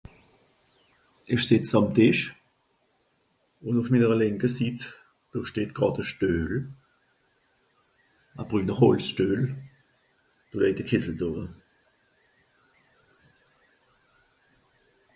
Ich sìtz àm Tìsch ùn ùff minere lìnke Sitt, do steht gràd e Stüehl, e brüner Holzstüehl, do lejt e Kìssel dowe